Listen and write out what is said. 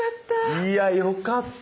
いやよかった。